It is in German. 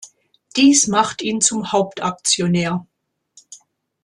Dies macht ihn zum Hauptaktionär.